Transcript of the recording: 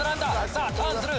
さあターンする。